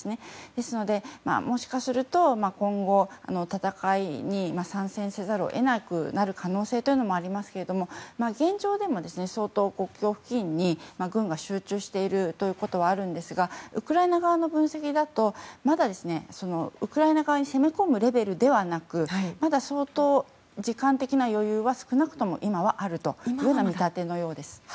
ですので、もしかすると今後の戦いに参戦せざるを得なくなる可能性というのもありますが現状でも相当、国境付近に軍が集中しているということはあるんですがウクライナ側の分析だとまだウクライナ側に攻め込むレベルではなくまだ相当、時間的な余裕は少なくとも今はあるという見立てのようです。